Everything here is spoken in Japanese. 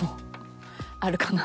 あるかな？